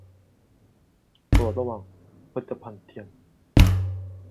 โปรดระวัง 'ผลิตภัณฑ์เทียม' !